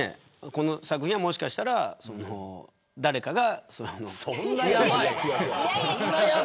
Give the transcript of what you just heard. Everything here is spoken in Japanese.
この作品はもしかしたら誰かが。